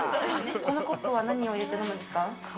このコップは何を入れてるんですか？